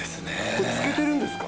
これ漬けてるんですか？